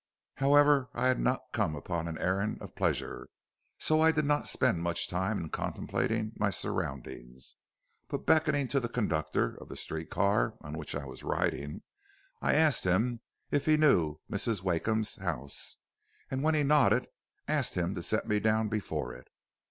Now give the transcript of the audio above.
However I had not come upon an errand of pleasure, so I did not spend much time in contemplating my surroundings, but beckoning to the conductor of the street car on which I was riding, I asked him if he knew Mrs. Wakeham's house, and when he nodded, asked him to set me down before it.